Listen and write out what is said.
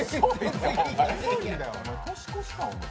年越しか、お前。